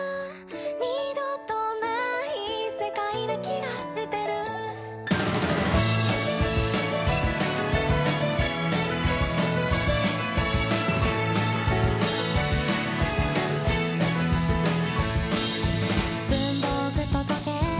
「二度とない世界な気がしてる」「文房具と時計